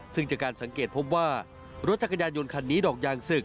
ซึ่งจากการสังเกตพบว่ารถจักรยานยนต์คันนี้ดอกยางศึก